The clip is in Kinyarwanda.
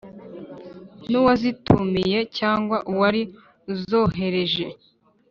N’uwazitumije cyangwa uwari uzohereje